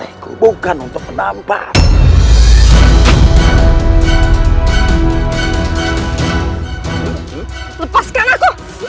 aku semakin bertantang